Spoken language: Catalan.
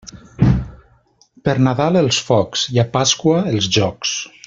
Per Nadal els focs i a Pasqua els jocs.